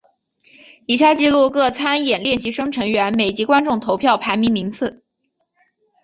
以下记录各参演练习生成员每集观众投票排名名次。